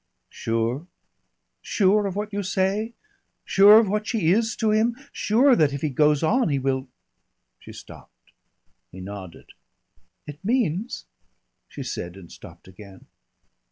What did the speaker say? "Sure?" "Sure of what you say sure of what she is to him sure that if he goes on he will " She stopped. He nodded. "It means " she said and stopped again.